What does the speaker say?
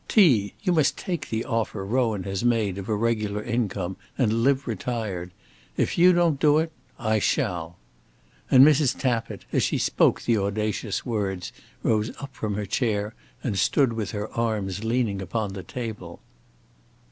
T., you must take the offer Rowan has made of a regular income and live retired. If you don't do it, I shall!" And Mrs. Tappitt, as she spoke the audacious words, rose up from her chair, and stood with her arms leaning upon the table.